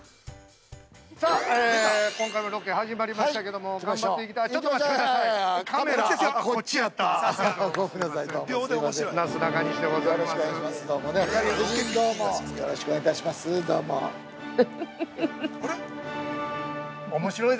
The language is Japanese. ◆さあ、今回もロケ始まりましたけども頑張っていきたい